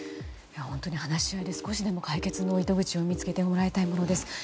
話し合いで少しでも解決の糸口を見つけてもらいたいものです。